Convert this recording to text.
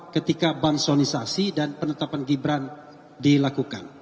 ketika bansonisasi dan penetapan gibran dilakukan